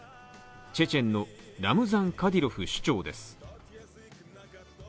チェチェンのラムザン・カディロフ首長です